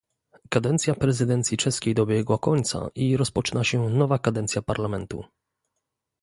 Kadencja prezydencji czeskiej dobiegła końca i rozpoczyna się nowa kadencja Parlamentu